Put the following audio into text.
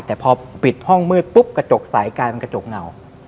แต่พอปิดห้องมืดปุ๊บกระจกสายกลายเป็นกระจกเหงา